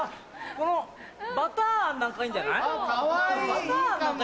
この「ばたーあん」なんかいいんじゃない？